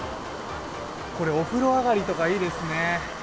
これ、お風呂上がりとかいいですね。